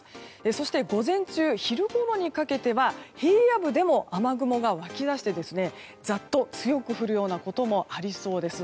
そして午前中、昼ごろにかけては平野部でも雨雲が湧き出してザッと強く降るようなこともありそうです。